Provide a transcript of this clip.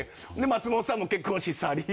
松本さんも結婚し去り